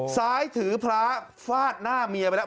ซ้ายถือพระฟาดหน้าเมียไปแล้ว